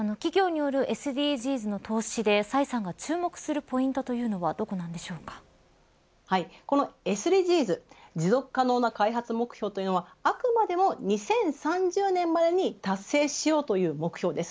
企業によるＳＤＧｓの投資で崔さんが注目するポイントというのはどんなところこのＳＤＧｓ持続可能な開発目標というのはあくまでも２０３０年までに達成すしようという目標です。